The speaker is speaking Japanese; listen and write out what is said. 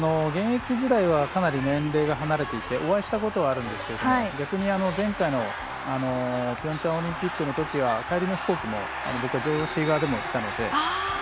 現役時代はかなり年齢が離れていてお会いしたことはあるんですが逆に前回のピョンチャンオリンピックのとき帰りの飛行機も、僕はＪＯＣ側でも行ったので。